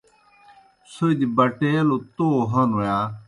څھوْدیْ بَٹَیلَوْ تو ہنوْ یا؟